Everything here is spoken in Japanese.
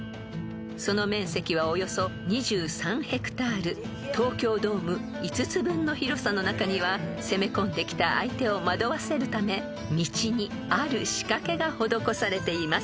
［その面積はおよそ２３ヘクタール東京ドーム５つ分の広さの中には攻め込んできた相手を惑わせるため道にある仕掛けが施されています］